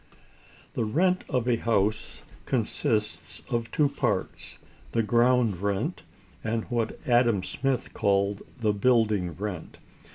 The rent of a house consists of two parts, the ground rent, and what Adam Smith calls the building rent.